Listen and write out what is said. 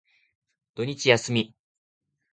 土日休み。